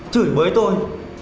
chửi bới tôi